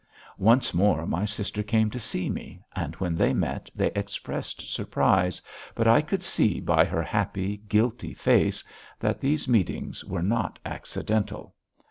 Once more my sister came to see me, and when they met they expressed surprise, but I could see by her happy, guilty face that these meetings were not accidental.